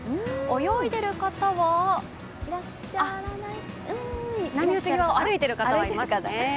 泳いでる方は波打ち際を歩いている方はいますかね。